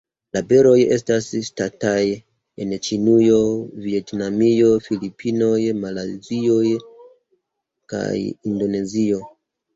La beroj estas ŝatataj en Ĉinujo, Vjetnamio, Filipinoj, Malajzio kaj Indonezio.